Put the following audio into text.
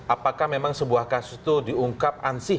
apakah memang sebuah kasus itu diungkap ansih